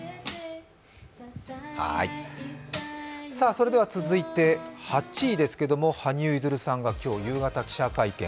それでは続いて８位ですけれども、羽生結弦さんが今日、夕方記者会見。